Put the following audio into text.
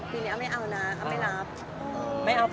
เปิดกล้อง๓วันแรก